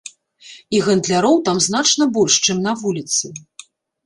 І гандляроў там значна больш, чым на вуліцы.